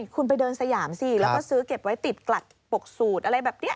คุณไปเดินสยามสิแล้วก็ซื้อเก็บไว้ติดกลัดปกสูตรอะไรแบบนี้